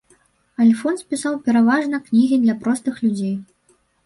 Альфонс пісаў пераважна кнігі для простых людзей.